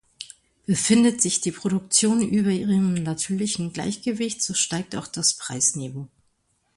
Befindet sich die Produktion über ihrem natürlichen Gleichgewicht, so steigt auch das Preisniveau.